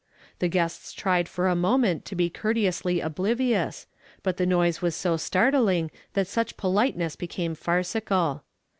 The guests tried for a moment to be courteously oblivious, but the noise was so startling that such politeness became farcical.